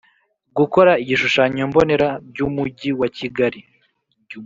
Gukora igishushanyo mbonera jyumugi wakigali